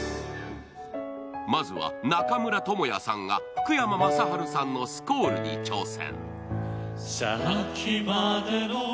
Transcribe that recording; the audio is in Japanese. まずは中村倫也さんが福山雅治さんの「Ｓｑｕａｌｌ」に挑戦。